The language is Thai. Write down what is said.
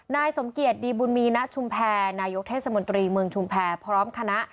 นายสมเกียจดีบุญมีณชุมแพรนายกเทศมนตรีเมืองชุมแพรพร้อมคณะ